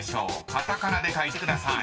［カタカナで書いてください］